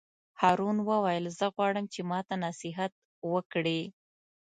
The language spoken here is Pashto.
هارون وویل: زه غواړم چې ماته نصیحت وکړې.